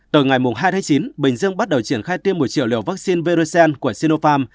từ ngày hai chín bình dương bắt đầu triển khai tiêm một triệu liều vaccine veracen của sinopharm